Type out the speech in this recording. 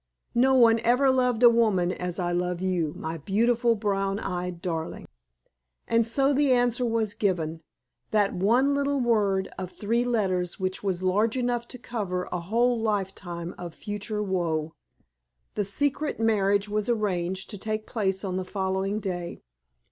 No one ever loved a woman as I love you, my beautiful brown eyed darling!" And so the answer was given that one little word of three letters which was large enough to cover a whole life time of future woe. The secret marriage was arranged to take place on the following day.